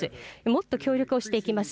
もっと協力をしていきます。